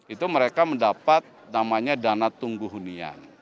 itu mereka mendapat namanya dana tunggu hunian